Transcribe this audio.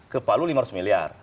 kepalu lima ratus miliar